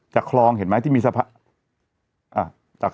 จากคลองเห็นไหมที่มีสะพาน